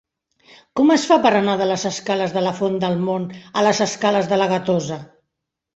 Com es fa per anar de les escales de la Font del Mont a les escales de la Gatosa?